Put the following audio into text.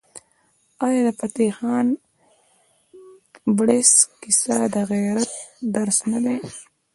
آیا د فتح خان بړیڅ کیسه د غیرت درس نه دی؟